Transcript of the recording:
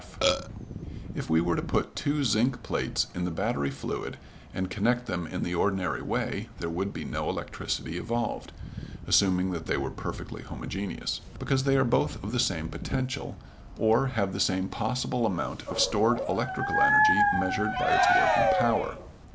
F._ If we were to put two zinc plates in the battery fluid and connect them in the ordinary way there would be no electricity evolved (assuming that they were perfectly homogeneous), because they are both of the same potential, or have the same possible amount of stored electrical energy measured by its working power.